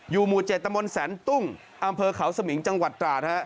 หมู่๗ตะมนต์แสนตุ้งอำเภอเขาสมิงจังหวัดตราดฮะ